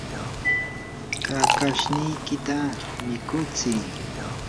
kakashniykita mikutsii